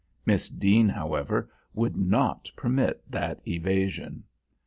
Miss Deane, however, would not permit that evasion.